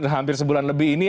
hampir sebulan lebih ini